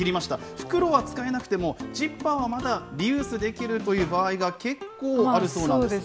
袋は使えなくても、ジッパーはまだリユースできるという場合がけっこうあるそうなんです。